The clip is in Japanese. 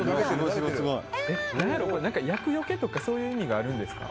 厄除けとかそういう意味があるんですか？